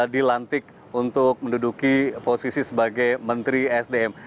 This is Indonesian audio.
dilantik untuk menduduki posisi sebagai menteri sdm